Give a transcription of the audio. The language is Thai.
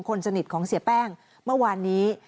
คนสนิทของเสียแป้งเมื่อวานนี้